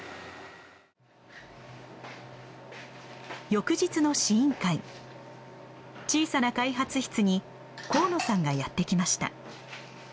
翌日の試飲会小さな開発室に河野さんがやってきました。